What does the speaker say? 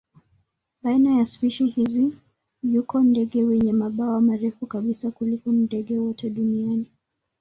Baina ya spishi hizi yuko ndege wenye mabawa marefu kabisa kuliko ndege wote duniani.